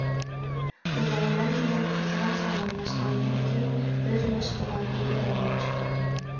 ئۇلار مەن بىلەن قىزغىن سالاملاشقاندىن كېيىن ئۆز مەشغۇلاتىنى داۋاملاشتۇردى.